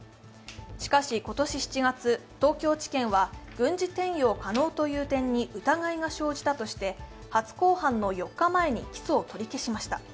しかし今年７月、東京地検は軍事転用可能な点に疑いが生じたとして初公判の４日前に起訴を取り消しました。